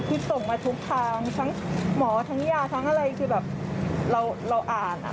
คือส่งมาทุกทางทั้งหมอทั้งยาทั้งอะไรคือแบบเราอ่านอ่ะ